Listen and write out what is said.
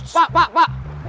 pak pak pak